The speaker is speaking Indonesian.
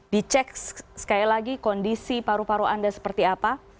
dicek sekali lagi kondisi paru paru anda seperti apa